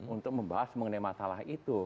untuk membahas mengenai masalah itu